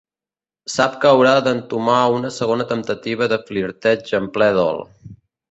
Sap que haurà d'entomar una segona temptativa de flirteig en ple dol.